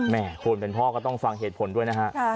คนเป็นพ่อก็ต้องฟังเหตุผลด้วยนะฮะ